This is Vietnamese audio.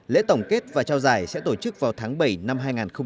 lễ tổng kết và trao giải sẽ tổ chức vào tháng bảy năm hai nghìn một mươi bảy